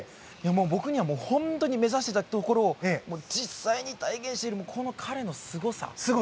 僕には本当に目指していたところを実際に体現しているこの彼のすごさ。